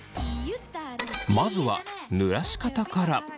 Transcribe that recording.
まずはぬらし方から。